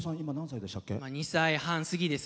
２歳半過ぎです。